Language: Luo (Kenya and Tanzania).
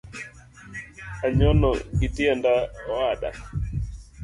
Anyono gi tienda owada